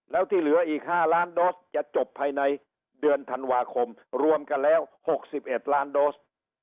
แล้วที่เหลืออีก๕ล้านโดสจะจบภายในเดือนธันวาคมรวมกันแล้ว๖๑ล้านโดส